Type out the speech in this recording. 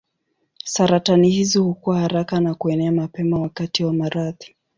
Saratani hizi hukua haraka na kuenea mapema wakati wa maradhi.